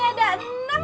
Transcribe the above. sampai jumpa pak